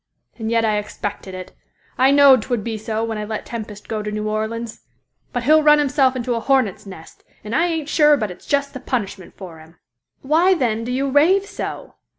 And yet I expected it. I know'd 'twould be so when I let Tempest go to New Orleans. But he'll run himself into a hornet's nest, and I ain't sure but it's just the punishment for him." "Why, then, do you rave so?"